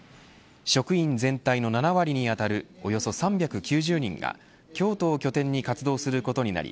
職員全体の７割にあたるおよそ３９０人が京都を拠点に活動することになり